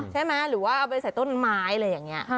หรือว่าเอาไปใส่ต้นไม้อะไรอย่างนี้